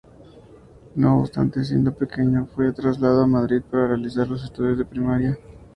No obstante, siendo pequeño fue trasladado a Madrid para realizar los estudios de primaria.